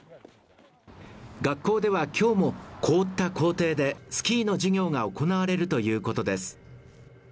学校では今日も凍った校庭でスキーの授業が行われるということです